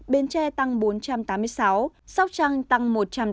bến tre tăng bốn trăm tám mươi sáu sóc trăng tăng một trăm tám mươi